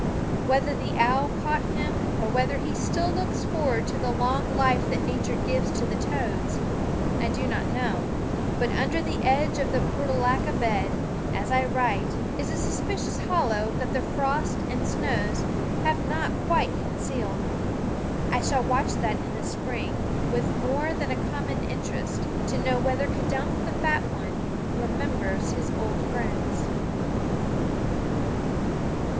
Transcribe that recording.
Whether the owl caught him, or whether he still looks forward to the long life that Nature gives to the toads, I do not know; but under the edge of the portulaca bed, as I write, is a suspicious hollow that the frosts and snows have not quite concealed. I shall watch that in the spring with more than common interest to know whether K'dunk the Fat One remembers his old friends.